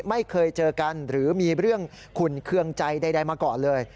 ไม่เคยเจอกันหรือมีเรื่องขุ่นเครื่องใจใดมาก่อนเลย